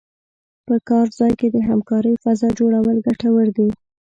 په کار ځای کې د همکارۍ فضا جوړول ګټور دي.